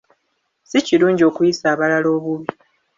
Si kirungi okuyisa abalala obubi.